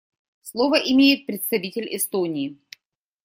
Слово имеет представитель Эстонии.